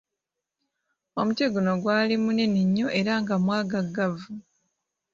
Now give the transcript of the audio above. Omuti guno gwali munene nnyo era nga mwagaagavu.